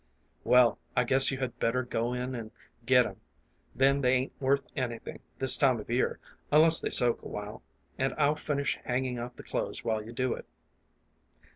" Well, I guess you had better go in an' get 'em, then ; they ain't worth anything, this time of year, unless they soak a while, an' I'll finish hangin' out the clothes while you do it."